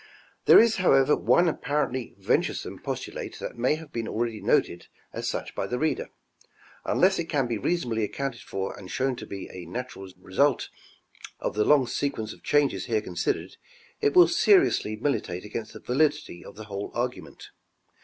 — There is however one apparentlj'" venturesome postulate that may have been already noted as such by the reader ; unless it can be reasonably accounted for and shown to be a natural result of the long sequence of changes here considered, it will seriously militate against the validity of the whole argument.